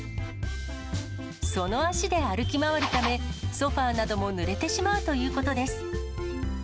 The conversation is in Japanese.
その足で歩きまわるため、ソファなどもぬれてしまうということです。